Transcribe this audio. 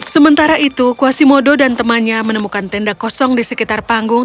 sementara itu kuasimodo dan temannya menemukan tenda kosong di sekitar panggung